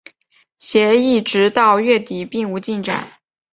协议直到月底并无进展。